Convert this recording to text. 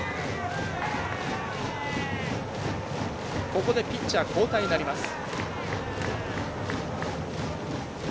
ここでピッチャー交代になります。